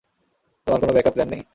তোমার কোন backup plan নেই?